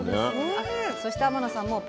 そして天野さん